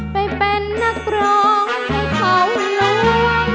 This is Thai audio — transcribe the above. ไปเป็นนักร้องให้เขาล้วง